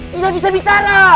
tidak bisa bicara